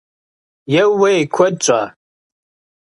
Еууей! Куэд щӏа?